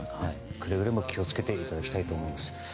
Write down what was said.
くれぐれも気を付けていただきたいと思います。